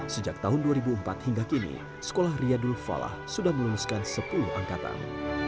sejak tahun dua ribu empat hingga kini sekolah riyadul falah sudah meluluskan sepuluh angkatan